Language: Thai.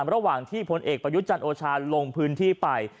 ระหว่างที่ผลเอกประยุจันโอชาลลงพื้นที่ไป